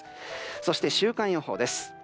そして、週間予報です。